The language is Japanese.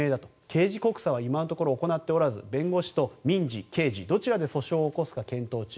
刑事告訴は今のところ行っておらず弁護士と民事・刑事どちらで訴訟を起こすか検討中。